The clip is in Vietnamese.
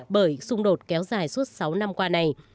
bởi xung đột kéo dài suốt sáu năm qua này